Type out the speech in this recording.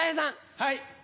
はい。